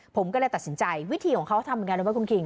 ผมก็เลยตัดสินใจวิธีของเขาทำอย่างไรหรือเปล่าคุณคิง